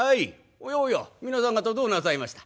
おやおや皆さん方どうなさいました？」。